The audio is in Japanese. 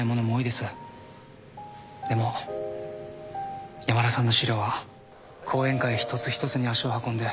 でも山田さんの資料は講演会一つ一つに足を運んで。